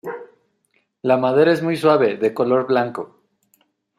La madera es muy suave, de color blanco.